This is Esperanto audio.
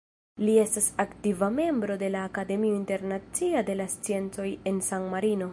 Li estas aktiva membro de la Akademio Internacia de la Sciencoj en San Marino.